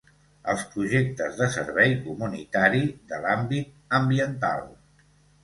Els projectes de servei comunitari de l'àmbit ambiental.